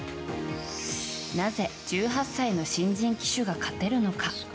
なぜ１８歳の新人騎手が勝てるのか。